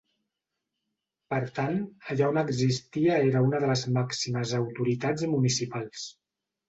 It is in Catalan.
Per tant, allà on existia era una de les màximes autoritats municipals.